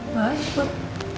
wah ini buat